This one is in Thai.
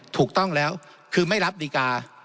ถูกต้องแล้วคือไม่รับดีการ์